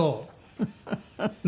フフフフ！